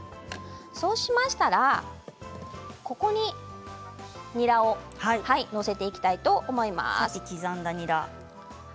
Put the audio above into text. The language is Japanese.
そうしましたらここににらを載せたいと思います。